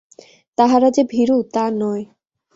তাহারা যে ভীরু, তা নয়।